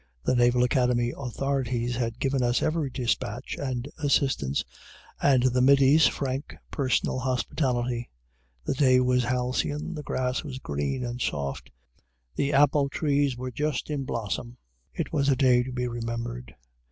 The Naval Academy authorities had given us every despatch and assistance, and the middies, frank, personal hospitality. The day was halcyon, the grass was green and soft, the apple trees were just in blossom: it was a day to be remembered.